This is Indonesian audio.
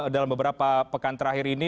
dalam beberapa pekan terakhir ini